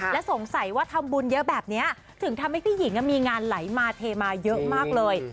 และสงสัยว่าทำบุญเยอะแบบนี้ถึงทำให้พี่หญิงมีงานไหลมาเทมาเยอะมากเลย